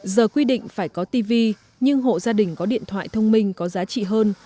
giờ quy định phải có tv nhưng hộ gia đình có điện thoại thông minh có giá trị hơn